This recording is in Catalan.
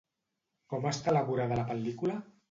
Com està elaborada la pel·lícula?